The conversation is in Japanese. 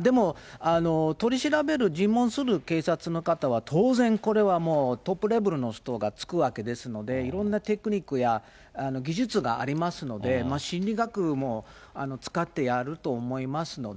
でも、取り調べる、尋問する警察の方は、当然これはもうトップレベルの人が就くわけですので、いろんなテクニックや技術がありますので、心理学も使ってやると思いますので。